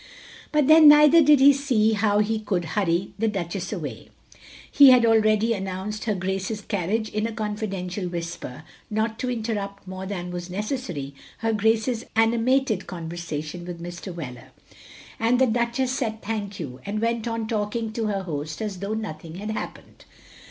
But then neither did he see how he could hurry the Duchess away. He had already announced her Grace's car riage in a confidential whisper, not to inter rupt more than was necessary her Grace's animated conversation with Mr. Wheler; and the Q2 THE LONELY LADY 93 Duchess said thank you, and went on talking to her host as though nothing had happened.